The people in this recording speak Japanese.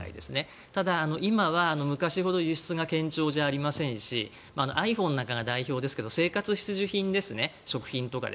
ただ、今は昔ほど輸出が堅調じゃありませんしｉＰｈｏｎｅなんかが代表ですが生活必需品ですね食品とか。